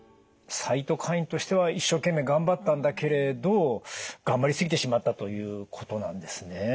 サイトカインとしては一生懸命頑張ったんだけれど頑張り過ぎてしまったということなんですね。